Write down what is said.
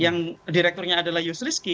yang direkturnya adalah yusrisky